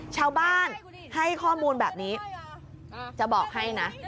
ชาวบ้านให้ข้อมูลแบบนี้จะบอกให้นะ